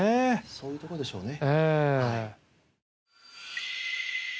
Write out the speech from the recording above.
そういうところでしょうね。